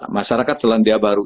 masyarakat selandia baru